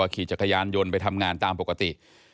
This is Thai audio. ขี่จักรยานยนต์ไปทำงานตามปกติ